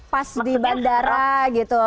pas di bandara gitu